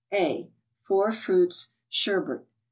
A .—FOUR FRUITS SHERBET.